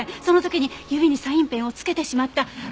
その時に指にサインペンを付けてしまった。